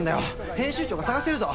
編集長が捜してるぞ。